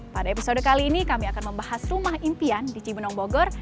pada episode kali ini kami akan membahas rumah impian di cibenong bogor